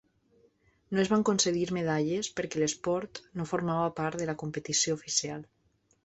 No es van concedir medalles per què l"esport no formava part de la competició oficial.